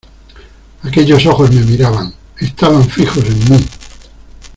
¡ aquellos ojos me miraban, estaban fijos en mí!...